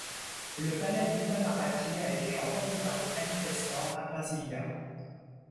Le palais d'Itamaraty a été envahi par des manifestants à Brasilia.